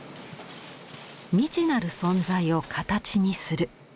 未知なる存在を形にする。